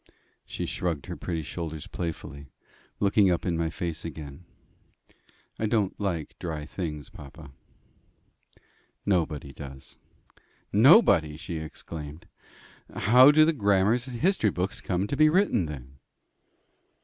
She shrugged her pretty shoulders playfully, looking up in my face again. "I don't like dry things, papa." "Nobody does." "Nobody!" she exclaimed. "How do the grammars and history books come to be written then?"